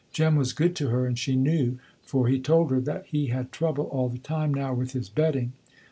Jem was good to her, and she knew, for he told her, that he had trouble all the time now with his betting.